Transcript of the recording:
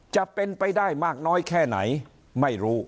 จะเป็นไปได้มากน้อยแค่ไหนไม่รู้